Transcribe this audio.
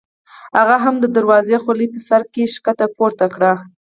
هغه هم د دروزو خولۍ په سر کې ښکته پورته کړه.